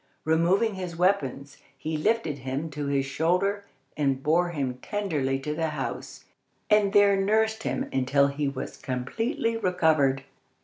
Removing his weapons, he lifted him to his shoulder, and bore him tenderly to the house, and there nursed him until he was completely recovered.